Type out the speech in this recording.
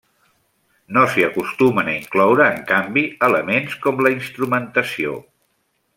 No s'hi acostumen a incloure, en canvi, elements com la instrumentació.